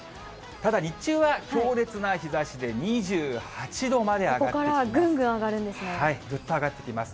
ただ、日中は強烈な日ざしで２８度まで上がってきます。